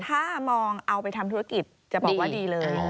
ถ้ามองเอาไปทำธุรกิจจะบอกว่าดีเลย